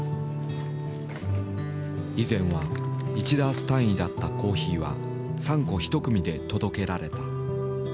以前は１ダース単位だったコーヒーは３個１組で届けられた。